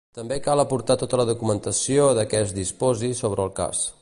També cal aportar tota la documentació de què es disposi sobre el cas.